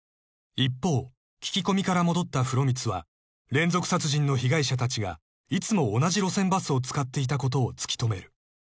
［一方聞き込みから戻った風呂光は連続殺人の被害者たちがいつも同じ路線バスを使っていたことを突き止める］